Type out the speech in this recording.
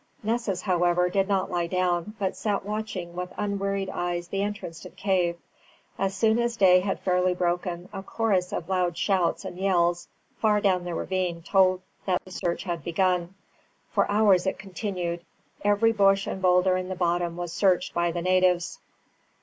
Nessus, however, did not lie down, but sat watching with unwearied eyes the entrance to the cave. As soon as day had fairly broken, a chorus of loud shouts and yells far down the ravine told that the search had begun. For hours it continued. Every bush and boulder in the bottom was searched by the natives.